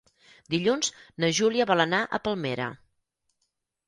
Dilluns na Júlia vol anar a Palmera.